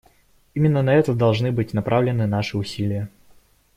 Именно на это должны быть направлены наши усилия.